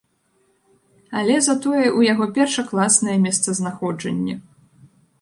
Але, затое ў яго першакласнае месцазнаходжанне.